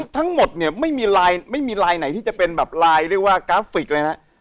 ทั้งหมดเนี่ยไม่มีลายไหนที่จะเป็นแบบลายเรียกว่ากราฟิกเลยนะ